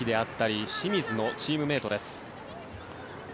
植木であったり清水のチームメートです。